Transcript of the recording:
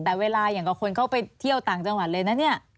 แต่เวลาอย่างกับคนเข้าไปเที่ยวต่างจังหวัดเลยนะเนี่ย